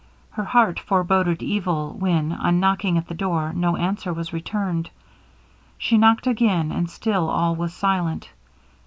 Her heart foreboded evil, when, on knocking at the door, no answer was returned. She knocked again, and still all was silent.